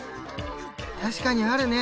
確かにあるね。